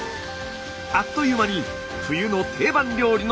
あっという間に冬の定番料理の出来上がり！